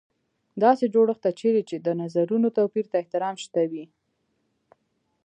داسې جوړښت ته چېرې چې د نظرونو توپیر ته احترام شته وي.